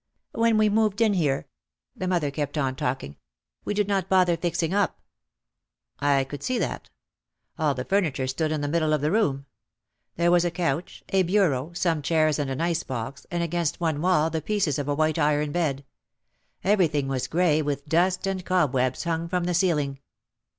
"When we moved in here," the mother kept on talking, "we did not bother fixing up." I could see that. All the furniture stood in the middle of the room. There OUT OF THE SHADOW 219 was a couch, a bureau, some chairs and an ice box, and against one wall the pieces of a white iron bed. Every thing was grey with dust and cobwebs hung from the ceiling.